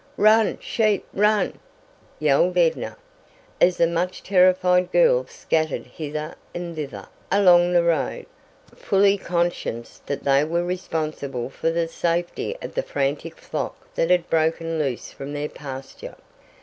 "Run, sheep, run!" yelled Edna, as the much terrified girls scattered hither and thither, along the road, fully conscious that they were responsible for the safety of the frantic flock that had broken loose from their pasture.